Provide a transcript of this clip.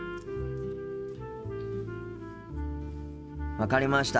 分かりました。